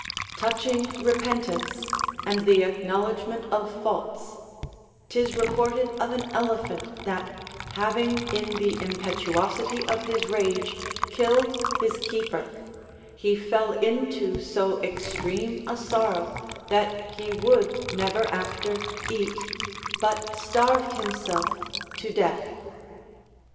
Touching repentance and the acknowledgment of faults, 'tis reported of an elephant that, having in the impetuosity of his rage killed his keeper, he fell into so extreme a sorrow that he would never after eat, but starved himself to death.